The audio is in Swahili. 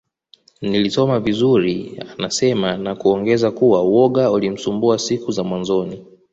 Nilisoma vizuri anasema na kuongeza kuwa woga ulimsumbua siku za mwanzoni